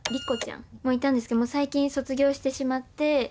もいたんですけど最近卒業してしまって。